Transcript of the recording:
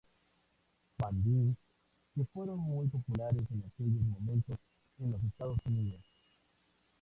Van Dine, que fueron muy populares en aquellos momentos en los Estados Unidos.